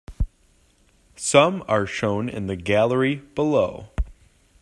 Some are shown in the gallery below.